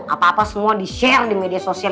apa apa semua di share di media sosial